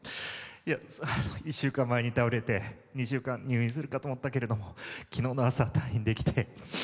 １週間前に倒れて２週間入院するかと思ったけれど昨日の朝、退院できて。